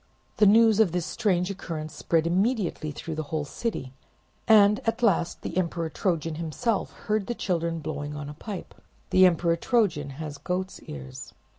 The news of this strange occurrence spread immediately through the whole city, and at last the Emperor Trojan himself heard the children blowing on a pipe: "The Emperor Trojan has goat's ears!"